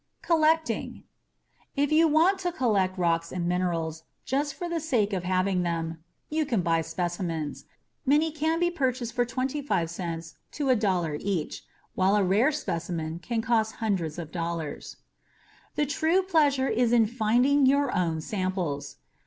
COLLECTING If you want to collect rocks and minerals just for the sake of having them, you can buy specimens. Many can be purchased for 25 cents to $1 each, while a rare specimen can cost hundreds of dollars. The true pleasure is in finding your own samples.